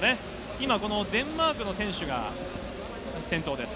今、このデンマークの選手が先頭です。